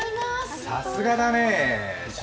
さすがだね。